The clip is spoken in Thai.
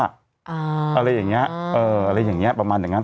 อะไรอย่างนี้ประมาณอย่างนั้น